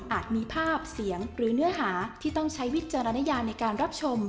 มีภาพเสียงหรือเนื้อหาที่ต้องใช้วิจารณญาในการรับชม